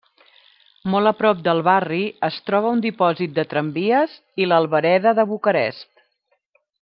Molt a prop del barri es troba un dipòsit de tramvies i l'albereda de Bucarest.